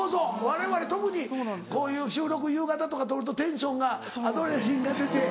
われわれ特にこういう収録夕方とか撮るとテンションがアドレナリンが出て。